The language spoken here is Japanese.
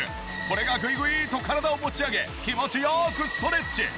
これがグイグイと体を持ち上げ気持ち良くストレッチ！